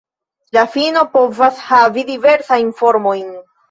La fino povas havi diversajn formojn.